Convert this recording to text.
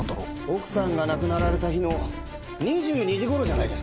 奥さんが亡くなられた日の２２時頃じゃないですか？